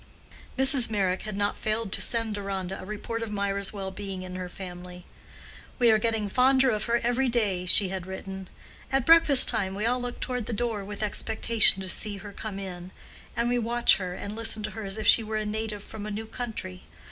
Mrs. Meyrick had not failed to send Deronda a report of Mirah's well being in her family. "We are getting fonder of her every day," she had written. "At breakfast time we all look toward the door with expectation to see her come in; and we watch her and listen to her as if she were a native from a new country.